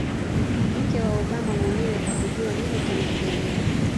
mke wa Obama mwenyewe hakujua nini kinaendelea